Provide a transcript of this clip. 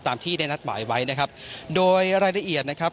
ที่ได้นัดหมายไว้นะครับโดยรายละเอียดนะครับ